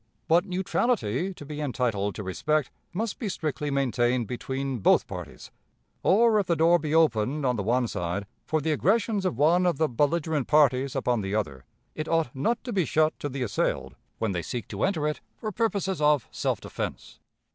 "But neutrality, to be entitled to respect, must be strictly maintained between both parties; or, if the door be opened on the one side for the aggressions of one of the belligerent parties upon the other, it ought not to be shut to the assailed when they seek to enter it for purposes of self defense.